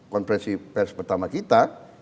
konfrensi pers pertama kita